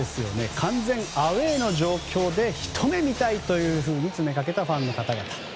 完全アウェーな状態でひと目見たいと詰めかけたファンの方々。